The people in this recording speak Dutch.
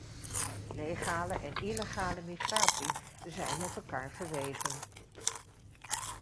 Legale en illegale migratiezijn met elkaar verweven.